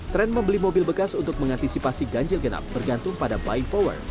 tren membeli mobil bekas untuk mengantisipasi ganjil genap bergantung pada buying power